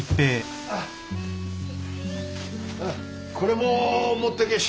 これも持ってけし。